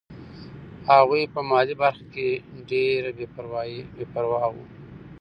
هغوی په مالي برخه کې ډېر بې پروا وو.